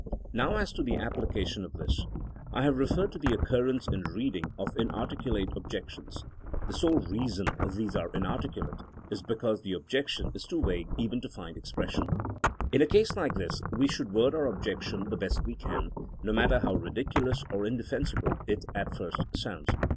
Now as to the application of this. I have re ferred to the occurrence in reading of inar ticulate '* objections. The sole reason these are inarticulate is because the objection is too vague even to find expression. In a case like this we should word our objection the best we can, no matter how ridiculous or indefensible it at first sounds.